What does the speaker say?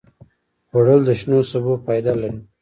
خوړل د شنو سبو فایده لري